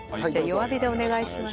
弱火でお願いします。